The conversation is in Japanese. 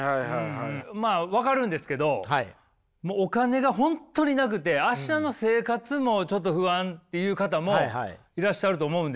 まあ分かるんですけどもうお金が本当になくて明日の生活もちょっと不安っていう方もいらっしゃると思うんですよ。